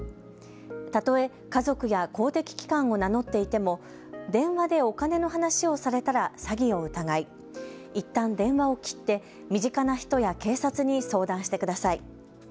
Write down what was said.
たとえ家族や公的機関を名乗っていても、電話でお金の話をされたら詐欺を疑いいったん電話を切って身近な人や警察に相談してください。